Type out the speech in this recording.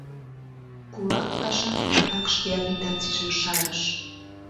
Кулак кашак адак шке агитацийжым шарыш.